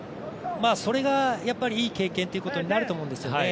それがいい経験ということになると思うんですよね。